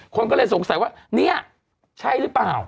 คนก็เลยสงสัยว่าเนี่ยใช่หรือเปล่า